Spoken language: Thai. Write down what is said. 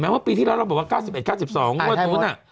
แม้ว่าปีที่แล้วบอกว่า๙๑๙๒ก็นางน็อดทุ่น